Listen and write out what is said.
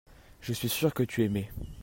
je suis sûr que tu aimais.